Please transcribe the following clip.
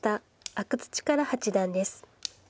阿久津主税八段です。